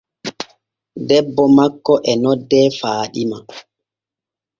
Debbo makko e noddee faaɗima.